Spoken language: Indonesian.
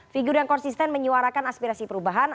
figur yang konsisten menyuarakan aspirasi perubahan